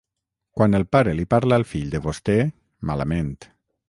Quan el pare li parla al fill de vostè, malament.